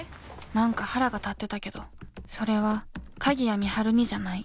何か腹が立ってたけどそれは鍵谷美晴にじゃない。